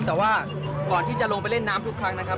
แต่ว่าก่อนที่จะลงไปเล่นน้ำทุกครั้งนะครับ